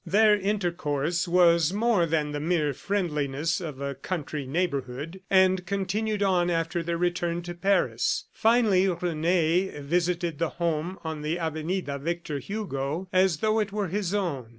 Their intercourse was more than the mere friendliness of a country neighborhood, and continued on after their return to Paris. Finally Rene visited the home on the avenida Victor Hugo as though it were his own.